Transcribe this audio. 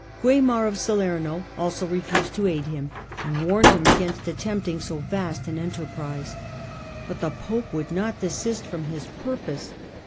Waimar of Salerno also refused to aid him, and warned him against attempting so vast an enterprise. But the pope would not desist from his purpose.